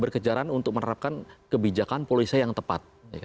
berkejaran untuk menerapkan kebijakan polisi yang tepat